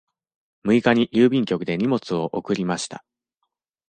六日に郵便局で荷物を送りました。